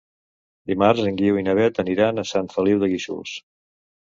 Dimarts en Guiu i na Beth aniran a Sant Feliu de Guíxols.